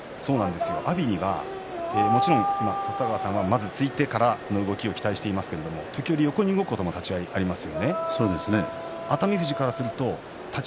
阿炎には立田川さんは突いてからの動きを期待していますが時折、立ち合い横に動くこともあります